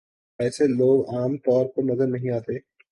ایسے لوگ عام طور پر نظر نہیں آتے